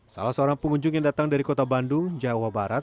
salah seorang pengunjung yang datang dari kota bandung jawa barat